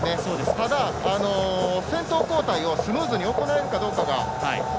ただ先頭交代をスムーズに行えるかが。